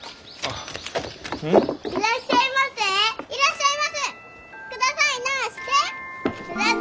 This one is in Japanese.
いらっしゃいませ！